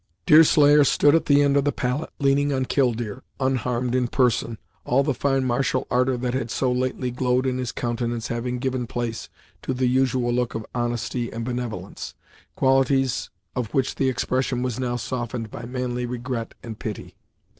Deerslayer stood at the end of the pallet, leaning on Killdeer, unharmed in person, all the fine martial ardor that had so lately glowed in his countenance having given place to the usual look of honesty and benevolence, qualities of which the expression was now softened by manly regret and pity.